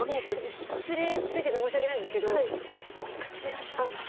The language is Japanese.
失礼ついでで申し訳ないんですけどおいくつでいらっしゃるんですか？